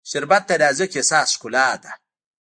شربت د نازک احساس ښکلا ده